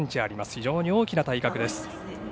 非常に大きな体格です。